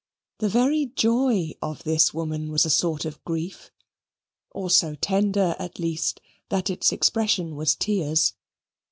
The very joy of this woman was a sort of grief, or so tender, at least, that its expression was tears.